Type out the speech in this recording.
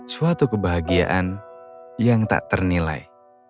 suatu kebahagiaan yang tak ternilai